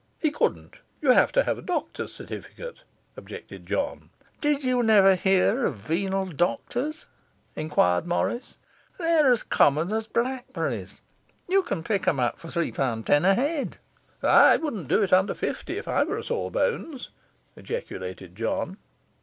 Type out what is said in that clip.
'He couldn't; you have to have a doctor's certificate,' objected John. 'Did you never hear of venal doctors?' enquired Morris. 'They're as common as blackberries: you can pick 'em up for three pound ten a head.' 'I wouldn't do it under fifty if I were a sawbones,' ejaculated John.